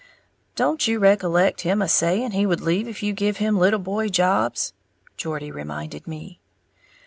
"Don't you recollect him a saying he would leave if you give him little boy jobs?" Geordie reminded me.